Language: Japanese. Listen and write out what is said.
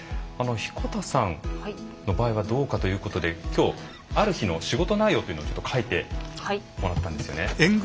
彦田さんの場合はどうかということで今日ある日の仕事内容っていうのを書いてもらったんですよね。